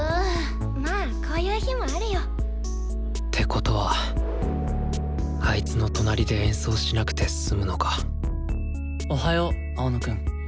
まあこういう日もあるよ。ってことはあいつの隣で演奏しなくて済むのかおはよう青野くん。